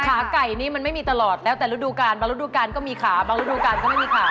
ขาไก่นี่มันไม่มีตลอดแล้วแต่ฤดูการบางฤดูการก็มีขาบางฤดูการก็ไม่มีขา